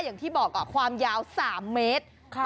อย่างที่บอกความยาว๓เมตร